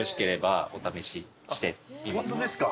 ホントですか？